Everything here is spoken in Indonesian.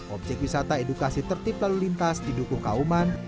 objek wisata edukasi tertip lalu lintas di duku kauman